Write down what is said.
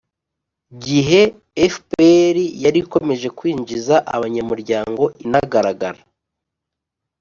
gihe fpr yari ikomeje kwinjiza abanyamuryango inagaragara